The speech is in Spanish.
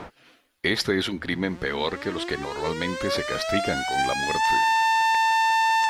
Este es un crimen peor que los que normalmente se castigan con la muerte.